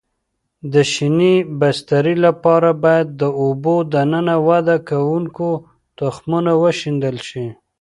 د شینې بسترې لپاره باید د اوبو دننه وده کوونکو تخمونه وشیندل شي.